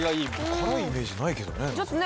辛いイメージないけどね。